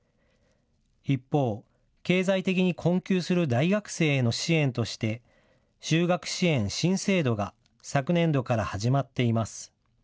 一方、経済的に困窮する大学生への支援として、修学支援新制度が昨年度から始まっています。